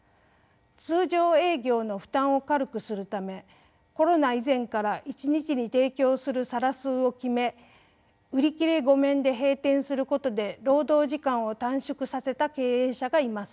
通常営業の負担を軽くするためコロナ以前から一日に提供する皿数を決め売り切れ御免で閉店することで労働時間を短縮させた経営者がいます。